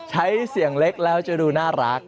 ใช้เสียงเล็กแล้วจะดูน่ารัก